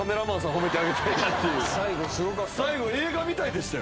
褒めてあげたいなっていう最後すごかったな最後映画みたいでしたよ